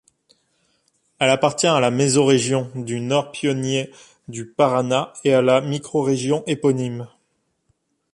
Elle appartient à la mésorégion du Nord-Pionnier-du-Paraná et à la microrégion éponyme.